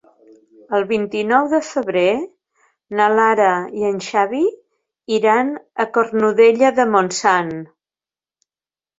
El vint-i-nou de febrer na Lara i en Xavi iran a Cornudella de Montsant.